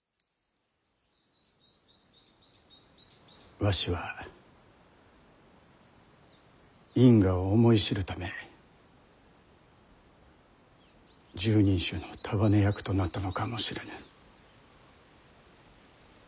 わしは因果を思い知るため拾人衆の束ね役となったのかもしれぬ。